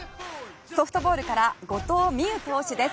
ソフトボールから後藤希友投手です。